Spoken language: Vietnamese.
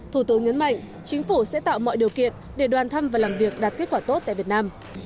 thủ tướng nhấn mạnh chính phủ sẽ tạo mọi điều kiện để đoàn thăm và làm việc đạt kết quả tốt tại việt nam